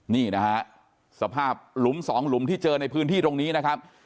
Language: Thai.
นี่นะฮะสภาพหลุมสองหลุมที่เจอในพื้นที่ตรงนี้นะครับ